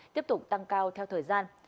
tiếp tục tăng cao theo thời gian